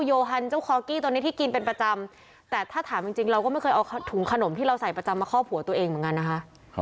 โยฮันเจ้าคอกี้ตัวนี้ที่กินเป็นประจำแต่ถ้าถามจริงจริงเราก็ไม่เคยเอาถุงขนมที่เราใส่ประจำมาคอบหัวตัวเองเหมือนกันนะคะ